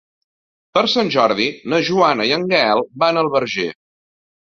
Per Sant Jordi na Joana i en Gaël van al Verger.